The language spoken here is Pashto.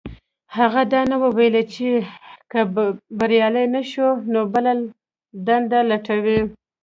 هغه دا نه وو ويلي چې که بريالی نه شو نو بله دنده لټوي.